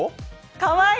かわいい！